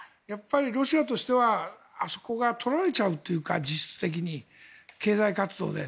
ロシアとしてはあそこがとられちゃうというか実質的に経済活動で。